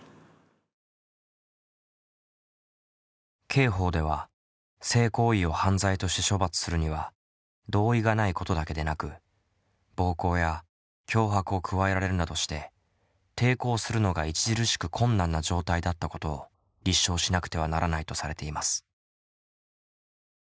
刑法では性行為を犯罪として処罰するには同意がないことだけでなく暴行や脅迫を加えられるなどして抵抗するのが著しく困難な状態だったことを立証しなくてはならないとされています。